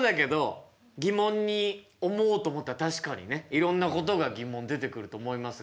いろんなことが疑問出てくると思いますが。